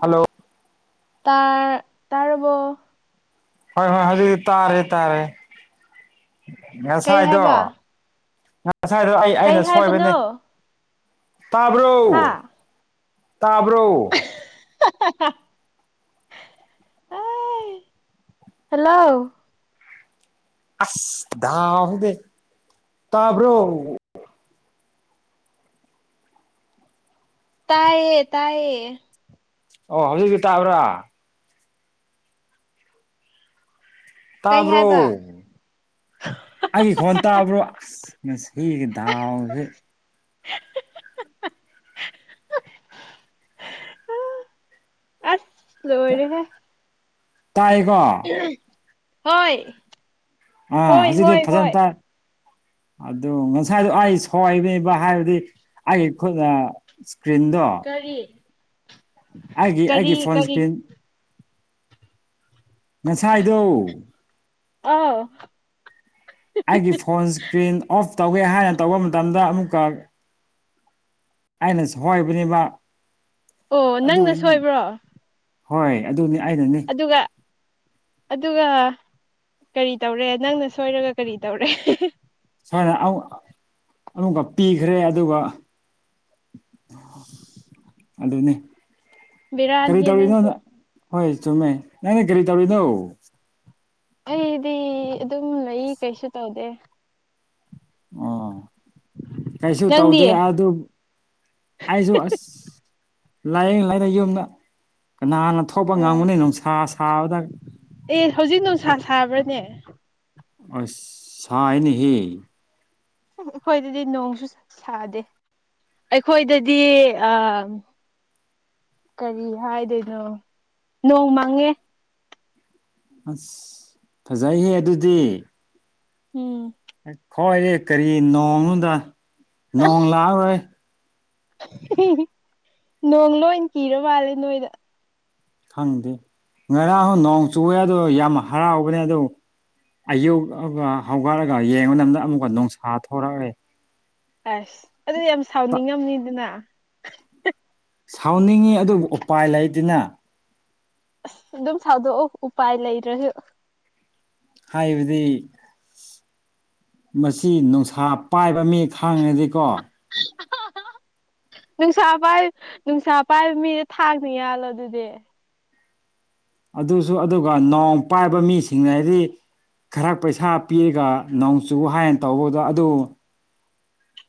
Hello ꯇꯔ ꯇꯥꯔꯕꯣ ꯍꯣꯏ ꯍꯣꯏ ꯍꯧꯖꯤꯛꯇꯤ ꯇꯥꯔꯦ ꯇꯥꯔꯦ ꯀꯩ ꯉꯁꯥꯏꯗꯣ ꯍꯥꯏꯕ ꯉꯁꯥꯏ ꯗꯣ ꯑꯩ ꯀꯩ ꯑꯩꯅ ꯁꯣꯏꯕꯅꯦ ꯍꯥꯏꯕꯅꯣ ꯍꯥ ꯇꯥꯕ꯭ꯔꯣ ꯇꯥꯕ꯭ꯔꯣ [unintelligible] ꯍꯜꯂꯣ ꯑꯁ ꯇꯥꯕ꯭ꯔꯣ ꯇꯥꯏꯌꯦ ꯇꯥꯏꯌꯦ ꯑꯣ ꯍꯧꯖꯤꯛꯇꯤ ꯇꯥꯕ꯭ꯔꯥ ꯀꯩ ꯇꯥꯕ꯭ꯔꯣ ꯍꯥꯏꯕ ꯑꯩꯩ ꯈꯣꯟ ꯇꯥꯕ꯭ꯔꯣ ꯃꯁꯤꯒꯤ ꯗꯥꯥꯎꯁꯤ [unintelligible] ꯑꯁ ꯂꯣꯏꯔꯦꯍꯦ ꯇꯥꯏꯌꯦꯀꯣ ꯍꯣꯏ ꯑ ꯍꯣꯏ ꯍꯧꯖꯤꯗꯤ ꯍꯣꯏ ꯐꯖꯟ ꯍꯣꯏ ꯇꯥꯏ ꯑꯗꯨ ꯉꯁꯥꯏꯗ ꯑꯩ ꯁꯋꯥꯏꯅꯦꯕ ꯍꯥꯏꯕꯗꯤ ꯑꯩꯒꯤ ꯈꯨꯠ ꯑꯥ ꯁ꯭ꯀ꯭ꯔꯤꯟ ꯗꯣ ꯀꯔꯤ ꯑꯩꯒꯤ ꯀꯔꯤ ꯑꯩꯒꯤ ꯐꯣꯟ ꯀꯔꯤ ꯁꯀ꯭ꯔꯤꯟ ꯉꯁꯥꯏꯗꯣ ꯑꯧ ꯑꯩꯒꯤ ꯐꯣꯟ ꯏꯁꯀ꯭ꯔꯤꯟ ꯑꯣꯐ ꯇꯧꯒꯦ ꯍꯥꯏꯅ ꯇꯧꯕ ꯃꯇꯝꯗ ꯑꯃꯨꯛꯀ ꯑꯩꯅ ꯁꯣꯏꯕꯅꯤꯕ ꯑꯣ ꯅꯪꯅ ꯁꯣꯏꯕ꯭ꯔꯣ ꯍꯣꯏ ꯑꯗꯨꯅꯤ ꯑꯩꯅꯅꯤ ꯑꯗꯨꯒ ꯑꯗꯨꯒ ꯀꯔꯤ ꯇꯧꯔꯦ ꯅꯪꯅ ꯁꯣꯏꯔꯒ ꯀꯔꯤ ꯇꯧꯔꯦ ꯁꯨꯃꯥꯏꯅ ꯑꯃꯛ ꯑꯃꯨꯛꯀ ꯄꯤꯈ꯭ꯔꯦ ꯑꯗꯨꯒ ꯑꯗꯨꯅꯦ ꯀꯔꯤ ꯕꯤꯔꯥꯅꯤꯍꯦ ꯇꯧꯔꯤꯅꯣ ꯅꯪꯁꯨ ꯍꯣꯏ ꯆꯨꯃꯦ ꯅꯪꯅꯤ ꯀꯔꯤ ꯇꯧꯔꯤꯅꯣ ꯑꯩꯗꯤ ꯑꯗꯨꯝ ꯂꯩꯏ ꯀꯩꯁꯨ ꯇꯧꯗꯦ ꯑꯣ ꯀꯩꯁꯨ ꯅꯪꯗꯤ ꯇꯧꯗꯦ ꯑꯣ ꯑꯗꯨ ꯑꯩꯁꯨ ꯑꯁ ꯂꯥꯏꯌꯦꯡ ꯂꯩ ꯌꯨꯝꯗ ꯀꯅꯥꯅ ꯊꯣꯛꯄ ꯉꯥꯝꯉꯅꯤ ꯅꯨꯡꯁꯥ ꯁꯥꯕꯗ ꯑꯦ ꯍꯧꯖꯤꯛ ꯅꯨꯡꯁꯥ ꯁꯥꯕ꯭ꯔꯅꯦ ꯑꯁ ꯁꯥꯏꯅꯦꯍꯦ ꯎ ꯑꯈꯣꯏꯗꯗꯤ ꯅꯣꯡꯁꯨ ꯁꯥꯗꯦ ꯑꯩꯈꯣꯏꯗꯗꯤ ꯑ ꯀꯔꯤ ꯍꯥꯏꯗꯣꯏꯅꯣ ꯅꯣꯡ ꯃꯥꯡꯉꯦ ꯑꯁ ꯐꯖꯩꯍꯦ ꯑꯗꯨꯗꯤ ꯎꯝ ꯑꯈꯣꯏꯒꯤ ꯀꯔꯤ ꯅꯣꯡꯅꯨꯗ ꯅꯣꯡ ꯂꯥꯛꯑꯔꯣꯏ ꯅꯣꯡ ꯂꯣꯏ ꯀꯤꯔ ꯃꯥꯜꯂꯦ ꯅꯣꯏꯗ ꯈꯪꯗꯦ ꯉꯔꯥꯡ ꯅꯣꯡ ꯆꯨꯋꯦ ꯑꯗꯣ ꯌꯥꯝ ꯍꯔꯥꯎꯕꯅꯦ ꯑꯗꯨ ꯑꯌꯨꯛ ꯍꯧꯒꯠꯔꯒ ꯌꯦꯡꯕ ꯃꯇꯝꯗ ꯑꯃꯨꯛꯀ ꯅꯨꯡꯁꯥ ꯊꯣꯔꯛꯔꯦ ꯑꯁ ꯑꯗꯨꯗꯤ ꯌꯥꯝ ꯁꯥꯎꯅꯤꯡꯉꯝꯅꯤꯗꯅ ꯁꯥꯎꯅꯤꯡꯉꯤ ꯑꯗꯨꯕꯨ ꯎꯄꯥꯏ ꯂꯩꯇꯤꯅ ꯑꯁ ꯑꯗꯨꯝ ꯁꯥꯎꯗꯣꯛꯎ ꯎꯄꯥꯏ ꯂꯩꯇꯔꯁꯨ ꯍꯥꯏꯕꯗꯤ ꯃꯁꯤ ꯅꯨꯡꯁꯥ ꯄꯥꯏꯕ ꯃꯤ ꯈꯥꯡꯉꯗꯤꯀꯣ ꯅꯨꯡꯁꯥ ꯄꯥꯏꯕ ꯅꯨꯡꯁꯥ ꯄꯥꯏꯕ ꯃꯤꯗ ꯊꯥꯡꯅ ꯌꯥꯜꯂꯣ ꯑꯗꯨꯗꯤ ꯑꯗꯨꯁꯨ ꯑꯗꯨꯒ ꯅꯣꯡꯃ ꯄꯥꯏꯕ ꯃꯤꯁꯤꯡ ꯍꯥꯏꯗꯤ ꯈꯔ ꯄꯩꯁꯥ ꯄꯤꯔꯒ ꯅꯣꯡꯆꯨ ꯍꯥꯏꯅ ꯇꯧꯕꯗꯣ ꯑꯗꯨ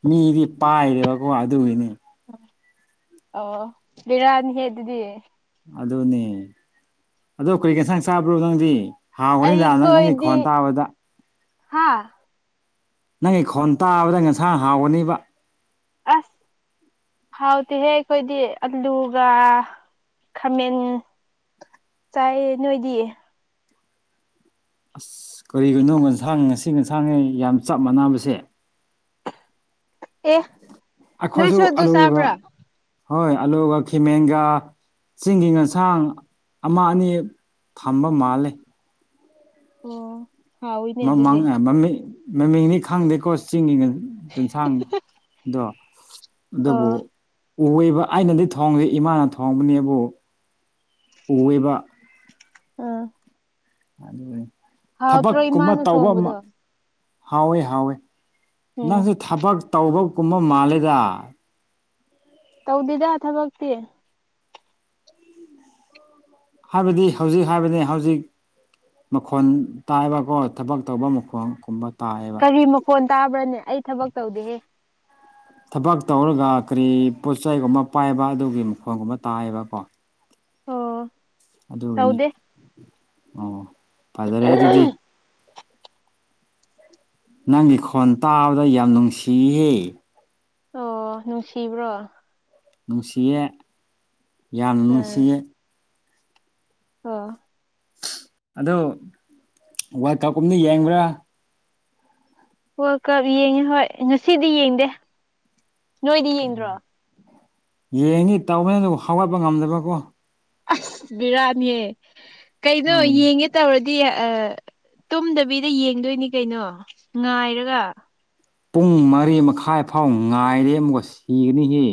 ꯃꯤꯗꯤ ꯄꯥꯏꯔꯦꯕꯀꯣ ꯑꯗꯨꯒꯤꯅꯤ ꯎ ꯑꯣ ꯕꯦꯔꯥꯅꯤꯍꯦ ꯑꯗꯨꯗꯤ ꯑꯗꯨꯅꯦ ꯑꯗꯣ ꯀꯔꯤ ꯑꯟꯁꯥꯡ ꯆꯥꯕ꯭ꯔꯣ ꯅꯪꯗꯤ ꯍꯥꯡꯉꯝꯃꯅꯤꯗ ꯅꯪ ꯅꯪꯒꯤ ꯈꯣꯟ ꯇꯕꯗ ꯍꯥꯥ ꯅꯪꯒꯤ ꯈꯣꯟ ꯇꯥꯕꯗ ꯉꯁꯥꯡ ꯍꯥꯎꯒꯅꯤꯕ ꯎꯝ ꯍꯥꯎꯇꯤꯍꯦ ꯑꯩꯈꯣꯏꯗꯤ ꯑꯂꯨꯒ ꯈꯥꯃꯦꯟ ꯆꯥꯏꯌꯦ ꯅꯣꯏꯗꯤ ꯀꯔꯤꯒꯤꯅꯣ ꯉꯟꯁꯥꯡ ꯉꯁꯤ ꯉꯟꯁꯥꯡꯉꯩ ꯌꯥꯝ ꯆꯞ ꯃꯥꯟꯅꯕꯁꯦ ꯑꯦ ꯑꯩꯈꯣꯏꯁꯨ ꯅꯣꯏꯁꯨ ꯑꯗꯨ ꯑꯂꯨꯒ ꯆꯥꯕ꯭ꯔꯥ ꯍꯣꯏ ꯑꯂꯨꯒ ꯈꯦꯃꯦꯟꯒ ꯆꯤꯡꯒꯤ ꯉꯟꯁꯥꯡ ꯑꯃ ꯑꯅꯤ ꯊꯝꯕ ꯃꯥꯜꯂꯦ ꯑꯣ ꯍꯥꯎꯋꯤꯅꯦ ꯃ ꯑꯗꯨꯗꯤ ꯃꯪꯉꯦ ꯃꯃꯤꯡ ꯃꯃꯤꯡꯅꯤ ꯈꯪꯗꯦꯀꯣ ꯆꯤꯡꯒꯤ ꯀꯤꯟꯁꯥꯡꯗꯣ ꯑꯗꯨꯕꯨ ꯑꯣ ꯎꯋꯦꯕ ꯑꯩꯅꯗꯤ ꯊꯣꯡꯗꯦ ꯏꯃꯥꯅ ꯊꯣꯡꯕꯅꯦꯕꯨ ꯎꯋꯦꯕ ꯑꯥ ꯑꯗꯨꯅꯤ ꯍꯥꯎꯇ꯭ꯔꯣ ꯊꯕꯛꯀꯨꯝꯕ ꯏꯃꯥꯅ ꯇꯧꯕ ꯑꯃ ꯊꯣꯡꯕꯗꯣ ꯍꯥꯎꯋꯦ ꯍꯥꯎꯋꯦ ꯎꯝ ꯅꯪꯁꯨ ꯊꯕꯛ ꯇꯧꯕꯀꯨꯝꯕ ꯃꯥꯜꯂꯦꯗ ꯇꯧꯗꯦꯗ ꯊꯕꯛꯇꯤ ꯍꯥꯏꯕꯗꯤ ꯍꯧꯖꯤꯛ ꯍꯥꯏꯕꯅꯦ ꯍꯧꯖꯤꯛ ꯃꯈꯣꯟ ꯇꯥꯏꯕꯀꯣ ꯊꯕꯛ ꯇꯧꯕ ꯃꯈꯣꯟꯒꯨꯝꯕ ꯇꯥꯏ ꯑꯕ ꯀ꯭ꯔꯤ ꯃꯈꯣꯟ ꯇꯥꯕ꯭ꯔꯅꯦ ꯑꯩ ꯊꯕꯛ ꯇꯧꯗꯦꯍꯦ ꯊꯕꯛ ꯇꯧꯔꯒ ꯀꯔꯤ ꯄꯣꯠ ꯆꯩꯒꯨꯝꯕ ꯄꯥꯏꯕ ꯑꯗꯨꯒꯤ ꯃꯈꯣꯟꯒꯨꯝꯕ ꯇꯥꯏꯌꯦꯕꯀꯣ ꯑꯣ ꯑꯗꯨꯒꯤꯅꯤ ꯇꯧꯗꯦ ꯑꯣ ꯐꯖꯔꯦ ꯑꯗꯨꯗꯤ ꯅꯪꯒꯤ ꯈꯣꯟ ꯇꯥꯕꯗ ꯌꯥꯝ ꯅꯨꯡꯁꯤꯍꯦ ꯑꯣ ꯅꯨꯡꯁꯤꯕ꯭ꯔꯣ ꯅꯨꯡꯁꯤꯌꯦ ꯌꯥꯝꯅ ꯎꯝ ꯅꯨꯡꯁꯤꯌꯦ ꯑꯣ ꯑꯗꯣ ꯋꯥꯔꯜ ꯀꯞ ꯀꯨꯝꯗꯤ ꯌꯦꯡꯕ꯭ꯔꯥ ꯋꯥꯔꯜ ꯀꯞ ꯌꯦꯡꯉꯦ ꯍꯣꯏ ꯉꯁꯤꯗꯤ ꯌꯦꯡꯗꯦ ꯅꯣꯏꯗꯤ ꯌꯦꯡꯗ꯭ꯔꯣ ꯌꯦꯡꯒꯤ ꯇꯧꯕꯅꯦ ꯑꯗꯨꯕꯨ ꯍꯧꯒꯠꯄ ꯉꯝꯗꯕꯀꯣ ꯑꯁ ꯕꯤꯔꯥꯅꯤꯍꯦ ꯀꯩꯅꯣ ꯍꯣꯏ ꯌꯦꯡꯒꯦ ꯇꯧꯔꯗꯤ ꯑꯥ ꯇꯨꯝꯗꯕꯤꯗ ꯌꯦꯡꯗꯣꯏꯅꯤ ꯀꯩꯅꯣ ꯉꯥꯏꯔꯒ ꯄꯨꯡ ꯃꯔꯤ ꯃꯈꯥꯏ ꯐꯥꯎ ꯉꯥꯏꯔꯤ ꯑꯃꯨꯛꯀꯥ ꯁꯤꯒꯅꯤꯍꯦ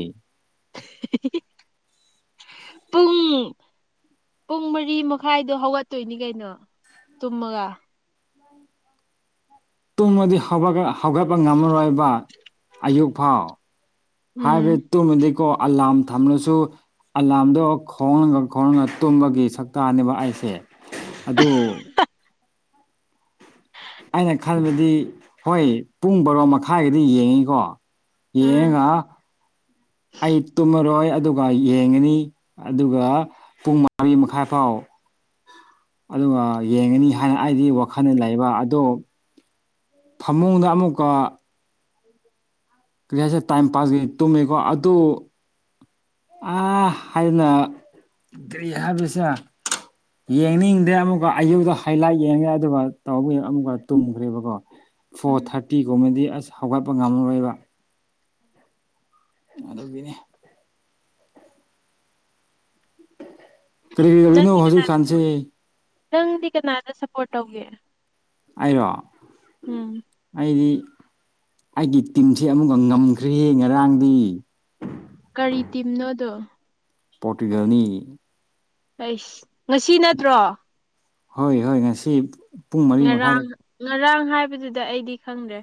[inaudible] ꯄꯨꯡ ꯄꯨꯡ ꯃꯔꯤ ꯃꯈꯥꯏꯗꯣ ꯍꯧꯒꯠꯇꯣꯏꯅꯤ ꯀꯩꯅꯣ ꯇꯨꯝꯃꯒ ꯇꯨꯡꯃꯗꯤ ꯍꯧꯒꯠꯀ ꯍꯧꯒꯠꯄ ꯉꯝꯃꯔꯣꯏꯕ ꯑꯌꯨꯛ ꯐꯥꯎ ꯍꯥꯏꯕ ꯎꯝ ꯇꯨꯝꯃꯗꯤꯀꯣ ꯑꯂꯥꯝ ꯊꯝꯂꯁꯨ ꯑꯂꯥꯝꯗꯣ ꯈꯣꯡꯂꯒ ꯈꯣꯡꯂꯒ ꯇꯨꯝꯕꯒꯤ ꯁꯛꯇꯥꯅꯦꯕ ꯑꯩꯁꯦ ꯑꯗꯨ ꯑꯩꯅ ꯈꯟꯕꯗꯤ ꯍꯣꯏ ꯄꯨꯡ ꯕꯥꯔꯣ ꯃꯈꯥꯏꯒꯤꯗꯤ ꯌꯦꯡꯉꯤꯀꯣ ꯑꯥ ꯌꯦꯡꯉꯒ ꯑꯩ ꯇꯨꯝꯃꯔꯣꯏ ꯑꯗꯨꯒ ꯌꯦꯡꯉꯅꯤ ꯑꯗꯨꯒ ꯄꯨꯡ ꯃꯔꯤ ꯃꯈꯥꯏ ꯐꯥꯎ ꯑꯗꯨꯒ ꯌꯦꯡꯉꯅꯤ ꯍꯥꯏꯅ ꯑꯩꯗꯤ ꯋꯥꯈꯜꯗ ꯂꯩꯕ ꯑꯗꯣ ꯐꯃꯨꯡꯗ ꯑꯃꯨꯛꯀ ꯀ꯭ꯔꯤꯁꯤꯔ ꯇꯥꯏꯝ ꯄꯥꯁꯀꯤ ꯇꯨꯝꯃꯦꯀꯣ ꯑꯗꯨ ꯑꯥ ꯍꯥꯏꯅ ꯀ꯭ꯔꯤ ꯍꯥꯏꯕꯁꯦ ꯌꯦꯡꯅꯤꯡꯗꯦ ꯑꯃꯨꯛꯀ ꯑꯌꯨꯛꯗ ꯍꯥꯏꯂꯥꯏꯠ ꯌꯦꯡꯉꯒ ꯑꯗꯨꯒ ꯇꯧꯕꯥꯒꯤ ꯑꯃꯨꯛꯀꯥ ꯇꯨꯝꯈ꯭ꯔꯦꯕꯀꯣ ꯐꯣꯔ ꯎꯝ ꯊꯥꯔꯇꯤꯒꯨꯝꯕꯗꯤ ꯑꯁ ꯍꯧꯒꯠꯄ ꯉꯝꯃꯔꯣꯏꯕ ꯑꯗꯨꯒꯤꯅꯦ ꯀ꯭ꯔꯤꯗꯧꯔꯤꯅꯣ ꯅꯪꯗꯤ ꯀꯅꯥ ꯍꯧꯖꯤꯛ ꯀꯥꯟꯁꯦ ꯅꯪꯗꯤ ꯀꯅꯥꯗ ꯁꯞꯄꯣꯔꯠ ꯇꯧꯒꯦ ꯑꯩꯔꯣ ꯎꯝ ꯑꯩꯗꯤ ꯑꯩꯒꯤ ꯇꯤꯝꯁꯦ ꯑꯃꯨꯛꯀ ꯉꯝꯈ꯭ꯔꯦꯍꯦ ꯉꯔꯥꯡꯗꯤ ꯀꯔꯤ ꯇꯤꯝꯅꯣꯗꯣ ꯄꯣꯔꯇꯨꯒꯜꯅꯤ ꯑꯩꯁ ꯉꯁꯤ ꯅꯠꯇ꯭ꯔꯣ ꯍꯣꯏ ꯍꯣꯏ ꯉꯁꯤ ꯄꯨꯡ ꯃꯔꯤ ꯃꯈꯥꯏꯗ ꯉꯔꯥꯡ ꯉꯔꯥꯡ ꯍꯥꯏꯕꯗꯨꯗ ꯑꯩꯗꯤ ꯈꯪꯗ꯭ꯔꯦ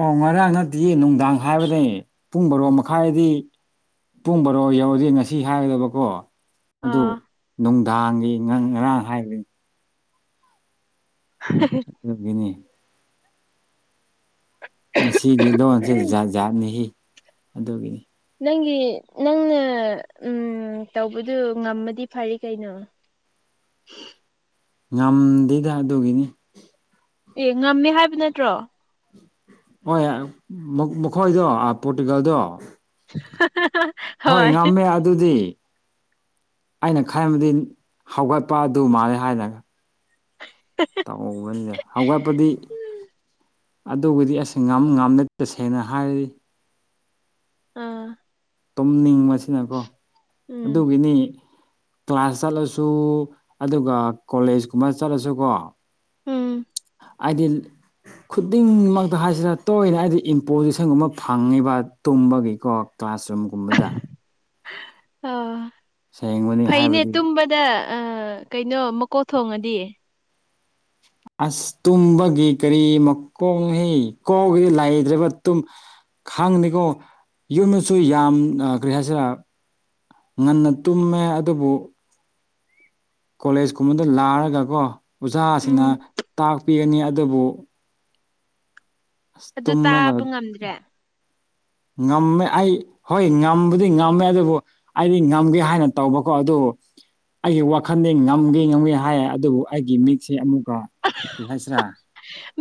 ꯑꯣ ꯉꯔꯥꯡ ꯅꯠꯇꯤꯌꯦ ꯅꯨꯡꯗꯥꯡ ꯍꯥꯏꯕꯅꯦ ꯄꯨꯡ ꯕꯔꯣ ꯃꯈꯥꯏꯗꯤ ꯄꯨꯡ ꯕꯔꯣ ꯌꯧꯔꯗꯤ ꯉꯁꯤ ꯍꯥꯏꯒꯗꯕꯀꯣ ꯑꯗꯨ ꯑꯥ ꯅꯨꯡꯗꯥꯡꯒꯤ ꯅꯪ ꯉꯔꯥꯡ ꯍꯥꯢ ꯍꯥꯢꯔꯤꯗꯨ ꯍꯥ [unintelligible] ꯑꯗꯨꯒꯤꯅꯦ ꯃꯁꯤꯒꯤ ꯂꯣꯟꯁꯦ ꯖꯥꯠ ꯖꯥꯠꯅꯤꯍꯦ ꯑꯗꯨꯒꯤ ꯅꯪꯒꯤ ꯅꯪꯅ ꯎꯝ ꯇꯧꯕꯗꯨ ꯉꯝꯃꯗꯤ ꯐꯥꯔꯦ ꯀꯩꯅꯣ ꯎ [inaudible] ꯉꯝꯗꯦꯗ ꯑꯗꯨꯒꯤꯅꯤ ꯑꯦ ꯉꯝꯃꯦ ꯍꯥꯏꯕ ꯅꯠꯇ꯭ꯔꯣ ꯍꯣꯏ ꯃꯈꯣꯏꯗꯣ ꯄꯣꯔꯇꯨꯒꯜꯗꯣ ꯍꯥꯍꯥ [unintelligible] ꯍꯣꯏ ꯉꯝꯃꯦ ꯑꯗꯨꯗꯤ ꯑꯩꯅ ꯈꯟꯕꯗꯤ ꯍꯧꯒꯠꯄ ꯑꯗꯨ ꯃꯥꯜꯂꯦ ꯍꯥꯏꯅ ꯎꯝ [unintelligible] ꯇꯧꯕꯅꯤꯅꯦ ꯍꯧꯒꯠꯄꯗꯤ ꯑꯗꯨꯕꯨꯗꯤ ꯑꯁ ꯉꯝ ꯉꯥꯝꯅ ꯇꯁꯦꯡꯅ ꯍꯥꯏꯔꯗꯤ ꯑꯝ ꯇꯨꯝꯅꯤꯡꯕꯁꯤꯅꯀꯣ ꯎꯝ ꯑꯗꯨꯒꯤꯅꯤ ꯀ꯭ꯂꯥꯁ ꯆꯠꯂꯁꯨ ꯑꯗꯨꯒ ꯀꯣꯂꯦꯖꯀꯨꯝꯕ ꯆꯠꯂꯁꯨ ꯀꯣ ꯎꯝ ꯍꯥꯏꯗꯤ ꯈꯨꯗꯤꯡꯃꯛꯇ ꯍꯥꯏꯁꯤꯔ ꯇꯣꯏꯅ ꯍꯥꯏꯗꯤ ꯏꯝꯄꯣꯖꯤꯁꯟꯒꯨꯝꯕ ꯐꯪꯉꯤꯕ ꯇꯨꯝꯕꯒꯤꯀꯣ ꯀ꯭ꯂꯥꯁꯔꯨꯝꯒꯨꯝꯕꯗ ꯑꯥ ꯁꯦꯡꯕꯅꯤ ꯐꯩꯅꯦ ꯍꯥꯏꯕꯗꯤ ꯇꯨꯝꯕ ꯁꯤꯗ ꯑ ꯀꯩꯅꯣ ꯃꯀꯣꯛ ꯊꯣꯡꯉꯗꯤ꯫ ꯑꯁ ꯇꯨꯝꯕꯒꯤ ꯀꯔꯤ ꯃꯀꯣꯛꯅꯣꯍꯦ [unintelligible] ꯂꯩꯗ꯭ꯔꯕ ꯇꯨꯝ ꯈꯪꯗꯦꯀꯣ ꯌꯨꯝꯅꯁꯨ ꯌꯥꯝꯅ ꯑꯥ ꯀꯔꯤ ꯍꯥꯏꯁꯤꯔ ꯉꯟꯅ ꯇꯨꯝꯃꯦ ꯑꯗꯨꯕꯨ ꯀꯣꯂꯦꯖ ꯀꯨꯝꯕꯗ ꯂꯥꯔꯒꯀꯣ ꯎꯝ ꯑꯣꯖꯥꯁꯤꯡꯅ ꯇꯥꯛꯄꯤꯒꯅꯤ ꯑꯗꯨꯕꯨ ꯑꯁ ꯑꯗꯨ ꯇꯨꯝꯂꯒ ꯇꯥꯕ ꯉꯝꯗ꯭ꯔꯦ ꯉꯝꯃꯦ ꯑꯩ ꯍꯣꯏ ꯉꯝꯕꯨꯗꯤ ꯉꯝꯃꯦ ꯑꯗꯨꯕꯨ ꯑꯩꯗꯤ ꯉꯝꯒꯦ ꯍꯥꯏꯅ ꯇꯧꯕꯀꯣ ꯑꯗꯨ ꯑꯩꯒꯤ ꯋꯥꯈꯟꯗꯤ ꯉꯝꯒꯦ ꯉꯝꯒꯦ ꯍꯥꯏ ꯑꯗꯨꯕꯨ ꯑꯩꯒꯤ ꯃꯤꯠꯁꯤ ꯑꯃꯨꯛꯀ ꯀꯔꯤ ꯍꯥꯏꯁꯤꯔꯥ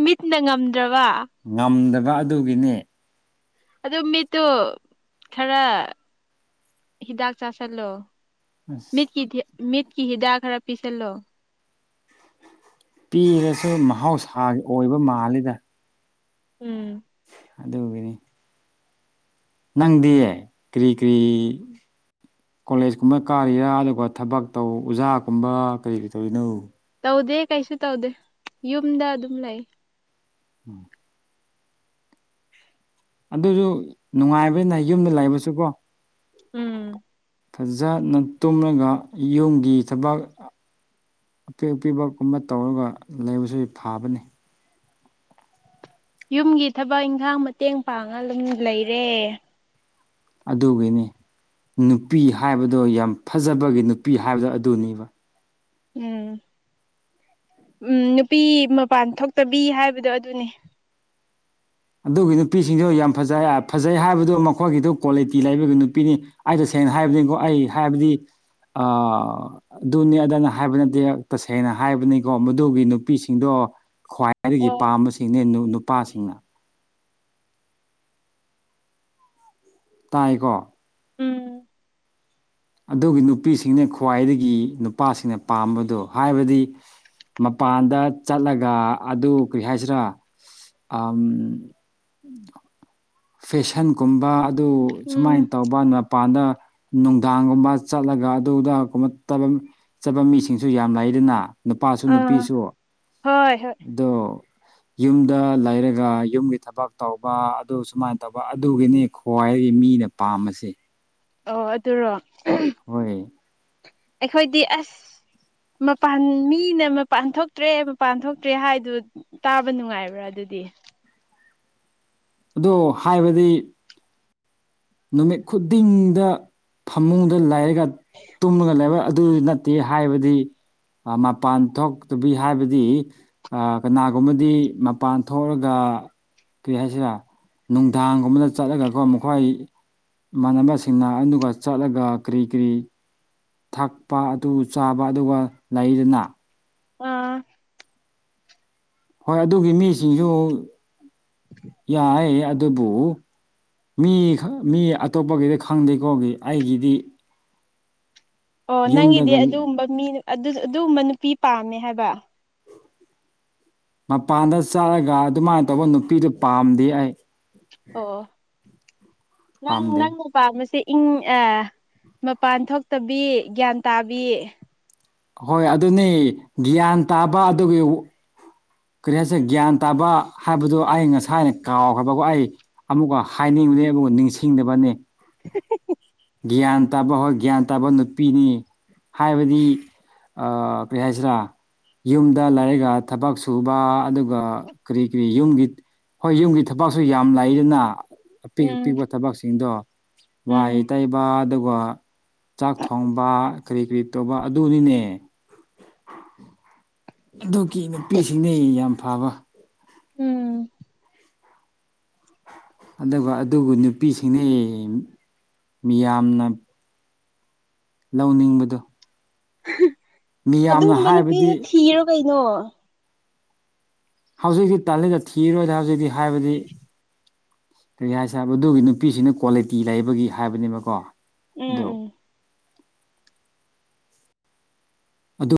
ꯃꯤꯠꯅ ꯉꯝꯗ꯭ꯔꯕ ꯉꯝꯗꯕ ꯑꯗꯨꯒꯤꯅꯦ ꯑꯗꯨ ꯃꯤꯠꯇꯨ ꯈꯔ ꯍꯤꯗꯥꯛ ꯆꯥꯥꯁꯜꯂꯣ꯫ ꯑꯁ ꯃꯤꯠꯀꯤ ꯃꯤꯠꯀꯤ ꯍꯤꯗꯥꯛ ꯈꯔ ꯄꯤꯁꯜꯂꯣ꯫ ꯄꯤꯔꯁꯨ ꯃꯍꯧꯁꯥꯒꯤ ꯑꯣꯏꯕ ꯃꯥꯜꯂꯤꯗ꯫ ꯎꯝ ꯑꯗꯨꯒꯤꯅꯤ ꯅꯪꯗꯤ ꯀ꯭ꯔꯤ ꯀ꯭ꯔꯤ ꯀꯣꯂꯦꯖ ꯀꯨꯝꯕ ꯀꯥꯔꯤꯔꯥ ꯑꯗꯨꯒ ꯊꯕꯛ ꯇꯧ ꯑꯣꯖꯥꯒꯨꯝꯕ ꯀꯔꯤ ꯇꯧꯔꯤꯅꯣ꯫ ꯇꯧꯗꯦ ꯀꯩꯁꯨ ꯇꯧꯗꯦ ꯌꯨꯝꯗ ꯑꯗꯨꯝ ꯂꯩ꯫ ꯎꯝ ꯑꯗꯨꯖꯨ ꯅꯨꯡꯉꯥꯏꯕꯅꯤꯗ ꯌꯨꯝꯗ ꯂꯩꯕꯁꯨꯀꯣ꯫ ꯎꯝ ꯐꯖꯅ ꯇꯨꯝꯂꯒ ꯌꯨꯝꯒꯤ ꯊꯕꯛ ꯑꯄꯤꯛ ꯑꯄꯤꯕ ꯀꯨꯝꯕ ꯇꯧꯔꯒ ꯂꯩꯕꯁꯤ ꯐꯥꯕꯅꯦ ꯌꯨꯝꯒꯤ ꯊꯕꯛ ꯏꯟꯈꯥꯡ ꯃꯇꯦꯡ ꯄꯥꯡꯉꯥ ꯂꯨꯝ ꯂꯩꯔꯦ ꯑꯗꯨꯒꯤꯅꯤ ꯅꯨꯄꯤ ꯍꯥꯏꯕꯗꯣ ꯌꯥꯝ ꯐꯖꯕꯒꯤ ꯅꯨꯄꯤ ꯍꯥꯏꯕ ꯗꯣ ꯑꯗꯨꯅꯦꯕ ꯎꯝ ꯎꯝ ꯅꯨꯄꯤ ꯃꯄꯥꯟ ꯊꯣꯛꯇꯕꯤ ꯍꯥꯏꯕꯗꯣ ꯑꯗꯨꯅꯤ ꯑꯗꯨꯒꯤ ꯅꯨꯄꯤꯁꯤꯡꯗꯨ ꯌꯥꯝ ꯐꯖꯩ ꯍꯥ ꯐꯖꯩ ꯍꯥꯏꯕꯗꯣ ꯃꯈꯣꯏꯒꯤꯗꯣ ꯀ꯭ꯋꯥꯂꯤꯇꯤ ꯂꯩꯕꯒꯤ ꯅꯨꯄꯤꯅꯤ ꯑꯩ ꯇꯁꯦꯡꯅ ꯍꯥꯏꯕꯅꯤꯀꯣ ꯑꯩ ꯍꯥꯏꯕꯗꯤ ꯑ ꯑꯗꯨꯅꯤ ꯑꯗꯅ ꯍꯥꯏꯕ ꯅꯠꯇꯦ ꯇꯁꯦꯡꯅ ꯍꯥꯏꯕꯅꯤꯀꯣ ꯃꯗꯨꯒꯤ ꯅꯨꯄꯤꯁꯤꯡꯗꯣ ꯈ꯭ꯋꯥꯏ ꯈꯏꯗꯒꯤ ꯑꯣ ꯄꯥꯝꯕꯁꯤꯡꯅꯦ ꯅꯨ ꯅꯨꯄꯥꯁꯤꯡꯅ ꯇꯥꯏꯀꯣ ꯎꯝ ꯑꯗꯨꯒꯤ ꯅꯨꯄꯤꯁꯤꯡꯅꯦ ꯈ꯭ꯋꯥꯏꯗꯒꯤ ꯅꯨꯄꯥꯁꯤꯡꯅ ꯄꯥꯝꯕꯗꯣ ꯍꯥꯏꯕꯗꯤ ꯏꯁ ꯃꯄꯥꯟꯗ ꯆꯠꯂꯒ ꯑꯗꯨ ꯀꯔꯤ ꯍꯥꯏꯁꯤꯔꯥ ꯏꯁ ꯑꯝ ꯐꯦꯁꯟꯒꯨꯝꯕ ꯑꯗꯨ ꯎꯝ ꯁꯨꯃꯥꯏ ꯇꯧ ꯕ ꯅꯄꯥꯟꯗ ꯅꯨꯡꯗꯥꯡꯒꯨꯝꯕ ꯆꯠꯂꯒ ꯑꯗꯨꯗ ꯀꯨꯝꯃ ꯇꯂꯝ ꯆꯠꯄ ꯃꯤꯁꯤꯡꯁꯨ ꯌꯥꯝ ꯂꯩꯗꯅ ꯅꯨꯄꯥꯁꯨ ꯑꯥ ꯅꯨꯄꯤꯁꯨ ꯍꯣꯏ ꯍꯣꯏ ꯗꯣ ꯌꯨꯝꯗ ꯂꯩꯔꯒ ꯌꯨꯝꯒꯤ ꯊꯕꯛ ꯇꯧꯕ ꯑꯗꯨ ꯁꯨꯃꯥꯏꯅ ꯇꯧꯕ ꯑꯗꯨꯒꯤꯅꯤ ꯈ꯭ꯋꯥꯏꯒꯤ ꯃꯤꯅ ꯄꯥꯝꯕꯁꯦ ꯑꯣ ꯑꯗꯨꯔꯣ ꯑꯥꯍꯦꯝ ꯍꯣꯏ ꯑꯩꯈꯣꯏꯗꯤ ꯑꯁ ꯃꯄꯥꯟ ꯃꯤꯅ ꯃꯄꯥꯟ ꯊꯣꯛꯇ꯭ꯔꯦ ꯃꯄꯥꯟ ꯊꯣꯛꯇ꯭ꯔꯦ ꯍꯥꯏꯗꯨꯠ ꯇꯥꯕ ꯅꯨꯡꯉꯥꯏꯕ꯭ꯔꯥ ꯑꯗꯨꯗꯤ ꯑꯗꯣ ꯍꯥꯏꯕꯗꯤ ꯅꯨꯃꯤꯠ ꯈꯨꯗꯤꯡꯗ ꯐꯃꯨꯡꯗ ꯂꯩꯔꯒ ꯇꯨꯝꯂꯒ ꯂꯩꯕ ꯑꯗꯨ ꯅꯠ ꯇꯦ ꯍꯥꯏꯕꯗꯤ ꯑꯥ ꯃꯄꯥꯟ ꯊꯣꯛꯇꯕꯤ ꯍꯥꯏꯕꯗꯤ ꯀꯅꯥꯒꯨꯝꯕꯗꯤ ꯃꯄꯥꯟ ꯊꯣꯛꯔꯒ ꯀꯩ ꯍꯥꯏꯁꯤꯔ ꯅꯨꯡꯗꯥꯡꯒꯨꯝꯕꯗ ꯆꯠꯂꯒꯀꯣ ꯃꯈꯣꯏ ꯃꯥꯟꯅꯕꯁꯤꯡꯅ ꯑꯗꯨꯒ ꯆꯠꯂꯒ ꯀꯔꯤ ꯀꯔꯤ ꯊꯛꯄ ꯑꯗꯨ ꯆꯥꯕ ꯑꯗꯨꯒ ꯂꯩꯗꯅ ꯑꯥ ꯍꯣꯏ ꯑꯗꯨꯒꯤ ꯃꯤꯁꯤꯡꯁꯨ ꯌꯥꯏꯌꯦ ꯑꯥ ꯑꯗꯨꯕꯨ ꯃꯤ ꯈꯡ ꯃꯤ ꯑꯇꯣꯞꯄꯒꯤꯗꯤ ꯈꯪꯗꯦꯀꯣꯒꯤ ꯑꯩꯒꯤꯗꯤ ꯑꯣ ꯅꯪꯒꯤꯗꯤ ꯌꯨꯝꯗꯒ ꯑꯗꯨꯒꯨꯝꯕ ꯃꯤ ꯑꯗꯨ ꯑꯗꯨꯒꯨꯝꯕ ꯅꯨꯄꯤ ꯄꯥꯝꯃꯦ ꯍꯥꯏꯕ ꯃꯄꯥꯟꯗ ꯆꯠꯂꯒ ꯑꯗꯨꯃꯥꯏꯅ ꯇꯧꯕ ꯅꯨꯄꯤꯗꯨ ꯄꯥꯝꯗꯤꯌꯦ ꯑꯩ ꯑꯣ ꯅꯪ ꯄꯥꯝꯗꯦ ꯅꯪ ꯄꯥꯝꯕꯁꯦ ꯏꯪ ꯑꯥ ꯃꯄꯥꯟ ꯊꯣꯛꯇꯕꯤ ꯒ꯭ꯌꯥꯟ ꯇꯥꯕꯤ ꯍꯣꯏ ꯑꯗꯨꯅꯦ ꯒ꯭ꯌꯥꯟ ꯇꯥꯕ ꯑꯗꯨꯒꯤ ꯋꯥ ꯀꯔꯤ ꯍꯥꯏꯁꯦ ꯒ꯭ꯌꯥꯟ ꯇꯥꯕ ꯍꯥꯏꯕꯗꯣ ꯑꯩ ꯉꯁꯥꯏꯅ ꯀꯥꯎꯈ꯭ꯔꯕꯒꯣ ꯑꯩ ꯑꯃꯨꯛꯀ ꯍꯥꯏꯅꯤꯡꯕꯅꯦꯕ ꯑꯣ ꯅꯤꯡꯁꯤꯡꯗꯕꯅꯦ ꯍꯦ ꯍꯦ ꯍꯦ ꯒ꯭ꯌꯥꯟ ꯇꯥꯕ ꯍꯣꯏ ꯒ꯭ꯌꯥꯟ ꯇꯥꯕ ꯅꯨꯄꯤꯅꯤ ꯍꯥꯏꯕꯗꯤ ꯑꯥ ꯀꯔꯤ ꯍꯥꯏꯁꯤꯔꯥ ꯌꯨꯝꯗ ꯂꯩꯔꯒ ꯊꯕꯛ ꯁꯨꯕ ꯑꯗꯨꯒ ꯀꯔꯤ ꯀꯔꯤ ꯌꯨꯝꯒꯤ ꯍꯣꯏ ꯌꯨꯝꯒꯤ ꯊꯕꯛꯁꯨ ꯌꯥꯝ ꯂꯩꯗꯅ ꯑꯄꯤꯛ ꯎꯝ ꯑꯄꯤꯛꯄ ꯊꯕꯛꯁꯤꯡꯗꯣ ꯎꯝ ꯋꯥꯏ ꯇꯩꯕ ꯑꯗꯨꯒ ꯆꯥꯛ ꯊꯣꯡꯕ ꯀꯔꯤ ꯀꯔꯤ ꯇꯧꯕ ꯑꯗꯨꯅꯤꯅꯦ ꯑꯗꯨꯒꯤ ꯅꯨꯄꯤꯁꯤꯡꯅꯦ ꯌꯥꯝ ꯐꯥꯕ ꯎꯝ ꯑꯗꯨꯒ ꯑꯗꯨꯕꯨ ꯅꯨꯄꯤꯁꯤꯡꯅꯦ ꯃꯤꯌꯥꯝꯅ ꯂꯧꯅꯤꯡꯕꯗꯨ ꯑꯗꯨꯒꯨꯝꯕ ꯍꯥꯏꯕꯗꯤ ꯅꯨꯄꯤꯗꫭ ꯊꯤꯔꯣ ꯀꯩꯅꯣ ꯍꯧꯖꯤꯛꯇꯤ ꯇꯜꯂꯤꯗ ꯊꯤꯔꯣꯏꯗ ꯍꯧꯖꯤꯛꯇꯤ ꯍꯥꯏꯕꯗꯤ ꯀꯔꯤ ꯍꯥꯏꯁꯤꯔ ꯃꯗꯨꯒꯤ ꯅꯨꯄꯤꯁꯤꯡꯗꯨ ꯀ꯭ꯋꯥꯂꯤꯇꯤ ꯂꯩꯕꯒꯤ ꯍꯥꯏꯕꯅꯦꯕꯀꯣ ꯎꯝ ꯑꯗꯣ ꯎꯝ ꯑꯗꯨ